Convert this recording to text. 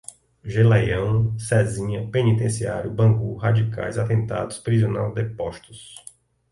Geleião, Cesinha, Penitenciário, Bangu, radicais, atentados, prisional, depostos